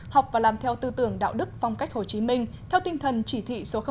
học và làm theo tư tưởng đạo đức phong cách hồ chí minh theo tinh thần chỉ thị số năm